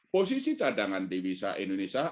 posisi cadangan di visa indonesia